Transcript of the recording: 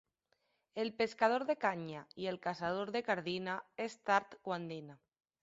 El pescador de canya i el caçador de cardina és tard quan dina.